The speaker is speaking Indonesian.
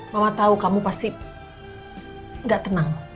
mama tau kamu pasti nggak tenang